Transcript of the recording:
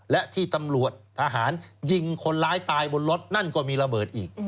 และที่ตำรวจทหารยิงคนร้ายตายบนรถนั่นก็มีระเบิดอีก